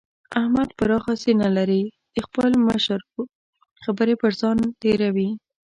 احمد پراخه سينه لري؛ د خپل مشر خبرې پر ځان تېروي.